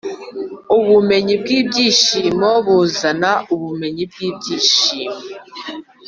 ubumenyi bwibyishimo buzana ubumenyi bwibyishimo.